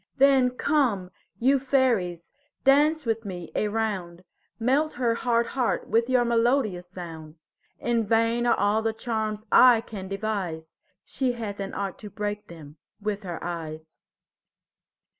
Then come, you fairies, dance with me a round; Melt her hard heart with your melodious sound. In vain are all the charms I can devise; She hath an art to break them with her eyes.